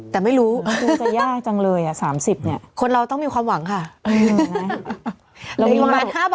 แต่ไม่รู้มันคงจะยากจังเลย๓๐เนี่ยคนเราต้องมีความหวังค่ะ